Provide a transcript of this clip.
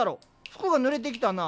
服がぬれてきたな。